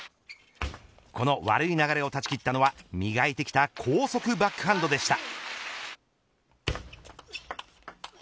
この悪い流れを断ち切ったのは磨いてきた高速バックハンドでした。